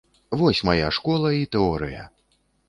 Вось мая школа і тэорыя.